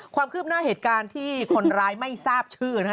ความคืบหน้าเหตุการณ์ที่คนร้ายไม่ทราบชื่อนะฮะ